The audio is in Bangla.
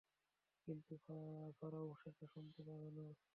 কিন্তু ফারাও সেটা শুনতে পাবে না।